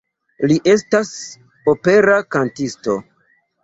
Li estas opera kantisto.